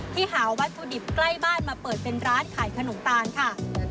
หาวัตถุดิบใกล้บ้านมาเปิดเป็นร้านขายขนมตาลค่ะ